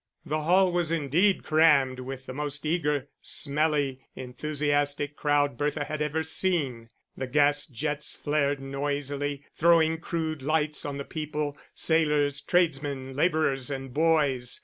The hall was indeed crammed with the most eager, smelly, enthusiastic crowd Bertha had ever seen. The gas jets flared noisily, throwing crude lights on the people, sailors, tradesmen, labourers, and boys.